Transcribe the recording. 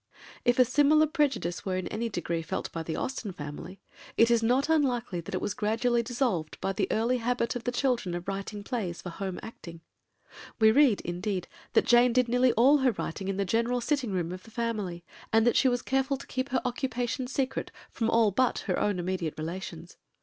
If a similar prejudice were in any degree felt by the Austen family, it is not unlikely that it was gradually dissolved by the early habit of the children of writing plays for home acting. We read, indeed, that Jane did nearly all her writing in the general sitting room of the family, and that she was careful to keep her occupation secret from all but her own immediate relations.